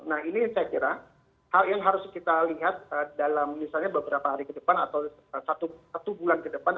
nah ini saya kira hal yang harus kita lihat dalam misalnya beberapa hari ke depan atau satu bulan ke depan